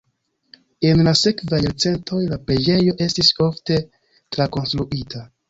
En la sekvaj jarcentoj la preĝejo estis ofte trakonstruita.